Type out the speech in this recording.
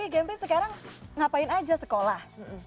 gempi sekarang ngapain aja sekolah